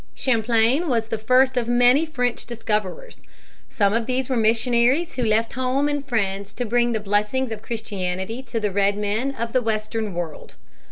Champlain was the first of many French discoverers. Some of these were missionaries who left home and friends to bring the blessings of Christianity to the Red Men of the western world.